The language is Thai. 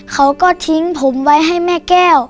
เขาก็ทิ้งผมไว้ให้แม่แก้ว